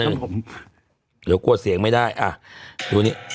เดี๋ยวกลัวเสียงไม่ได้อ่ะดูนี่